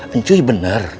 apa ini benar